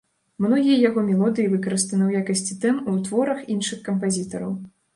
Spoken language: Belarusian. Многія яго мелодыі выкарыстаны ў якасці тэм у творах іншых кампазітараў.